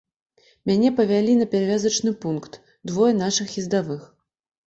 Мяне павялі на перавязачны пункт двое нашых ездавых.